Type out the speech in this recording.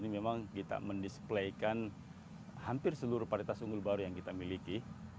memang kita men displaykan hampir seluruh varietas unggul baru yang kita miliki